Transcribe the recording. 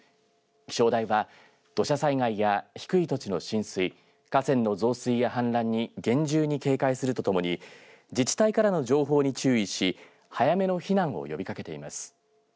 気象台は土砂災害や低い土地の浸水河川の増水や氾濫に厳重に警戒するとともに自治体からの情報に注意し早めの避難を呼びかけています。